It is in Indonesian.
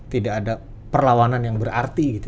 tidak ada perlawanan yang berarti gitu